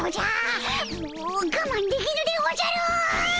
もうがまんできぬでおじゃる！